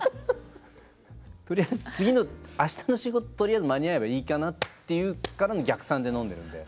次の明日の仕事とりあえず間に合えばいいかなっていうからの逆算で飲んでいるので。